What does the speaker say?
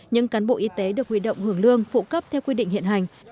những cán bộ y tế được huy động hưởng lương phụ cấp theo quy định hiện hành